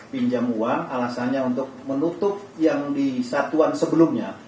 pinjam uang alasannya untuk menutup yang di satuan sebelumnya